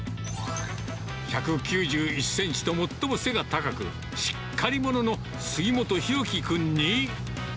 １９１センチと最も背が高く、しっかり者の杉本弘樹君に。